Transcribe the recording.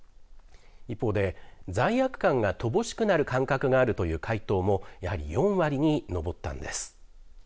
一方で罪悪感が乏しくなる感覚があるという回答もやはり４割に上ったんです。